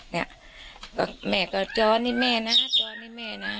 เนี่ยก็แม่ก็จอนให้แม่นะจอนให้แม่นะ